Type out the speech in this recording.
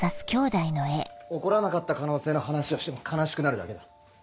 起こらなかった可能性の話をしても悲しくなるだけだ。